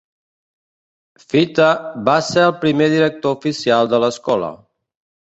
Fite va ser el primer director oficial de l'escola.